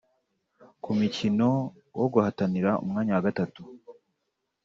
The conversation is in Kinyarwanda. Ku mukino wo guhatanira umwanya wa gatatu